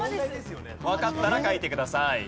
わかったら書いてください。